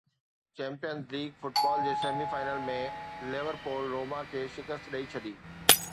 champions league football جي semi final ۾ Liverpool Roma کي شڪست ڏئي ڇڏي